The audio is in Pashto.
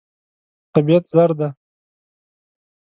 طبیعت زر دی.